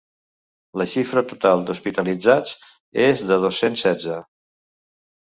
La xifra total d’hospitalitzats és de dos-cents setze.